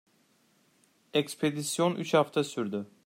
Ekspedisyon üç hafta sürdü.